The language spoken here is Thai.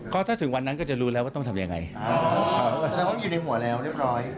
ก็ถ้าถึงวันนั้นก็จะรู้แล้วว่าต้องทำยังไงแสดงว่าอยู่ในหัวแล้วเรียบร้อย